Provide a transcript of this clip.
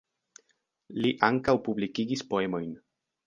Li ankaŭ publikigis poemojn.